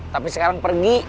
tapi sekarang pergi